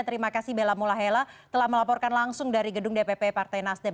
terima kasih bella mulahela telah melaporkan langsung dari gedung dpp partai nasdem